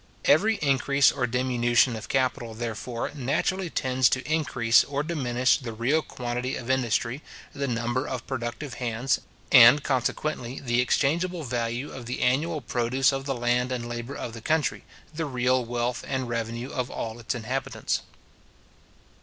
Every increase or diminution of capital, therefore, naturally tends to increase or diminish the real quantity of industry, the number of productive hands, and consequently the exchangeable value of the annual produce of the land and labour of the country, the real wealth and revenue of all its inhabitants.